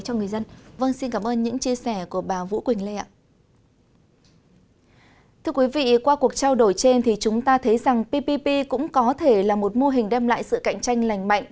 thưa quý vị qua cuộc trao đổi trên thì chúng ta thấy rằng ppp cũng có thể là một mô hình đem lại sự cạnh tranh lành mạnh